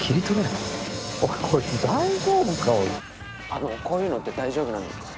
あのこういうのって大丈夫なんですか？